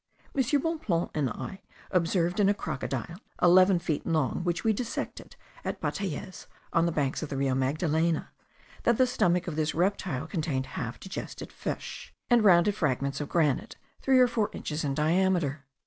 M. Bonpland and I observed in a crocodile, eleven feet long, which we dissected at Batallez, on the banks of the Rio Magdalena, that the stomach of this reptile contained half digested fish, and rounded fragments of granite three or four inches in diameter.